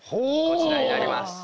こちらになります。